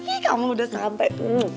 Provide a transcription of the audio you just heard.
ih kamu udah sampai